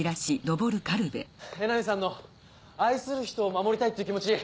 江波さんの愛する人を守りたいって気持ち